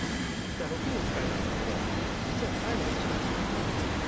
６人使えたんですが、実は最後の１枚は使ってないんです。